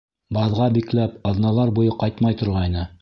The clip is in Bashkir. Баҙға бикләп, аҙналар буйы ҡайтмай торғайны.